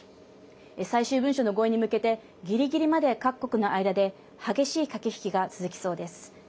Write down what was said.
最終文書の合意に向けてギリギリまで各国の間で激しい駆け引きが続きそうです。